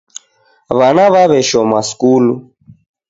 Wana waweshoma skulu